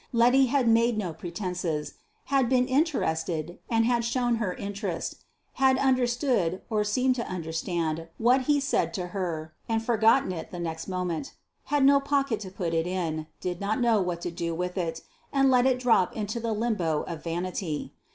Letty had made no pretences; had been interested, and had shown her interest; had understood, or seemed to understand, what he said to her, and forgotten it the next moment had no pocket to put it in, did not know what to do with it, and let it drop into the Limbo of Vanity.